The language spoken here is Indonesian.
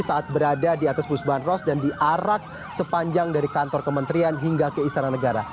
saat berada di atas bus bandros dan diarak sepanjang dari kantor kementerian hingga ke istana negara